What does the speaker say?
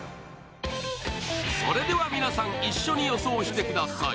それでは皆さん、一緒に予想してください。